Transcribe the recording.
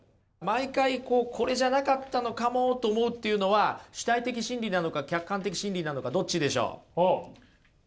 毎回こうこれじゃなかったのかもと思うっていうのは主体的真理なのか客観的真理なのかどっちでしょう？